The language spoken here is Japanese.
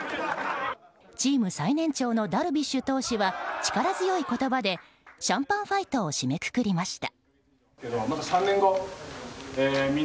チーム最年長のダルビッシュ投手は力強い言葉でシャンパンファイトを締めくくりました。